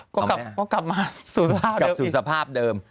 ก็กลับมาสภาพเดิม